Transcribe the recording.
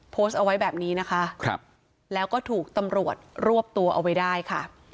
โพสต์เอาไว้แบบนี้นะคะแล้วก็ถูกตำรวจรวบตัวเอาไว้ได้ค่ะ